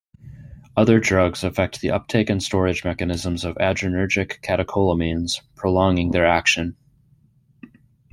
Other drugs affect the uptake and storage mechanisms of adrenergic catecholamines, prolonging their action.